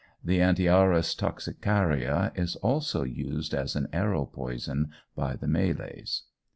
The Antiaris toxicaria is also used as an arrow poison by the Malays.